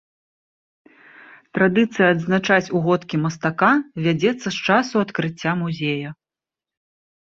Традыцыя адзначаць угодкі мастака вядзецца з часу адкрыцця музея.